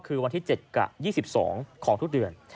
คือวันที่๗กับ๒๒ของทุกเดือน